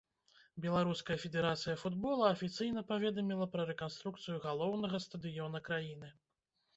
Беларуская федэрацыя футбола афіцыйна паведаміла пра рэканструкцыю галоўнага стадыёна краіны.